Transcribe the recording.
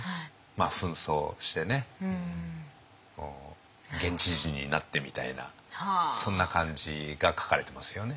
ふん装してね現地人になってみたいなそんな感じが書かれてますよね。